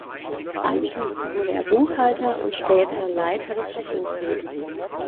Anschließend wurde er Buchhalter und später Leiter des Rechnungswesen.